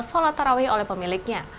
sholat taraweh oleh pemiliknya